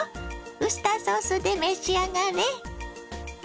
ウスターソースで召し上がれ！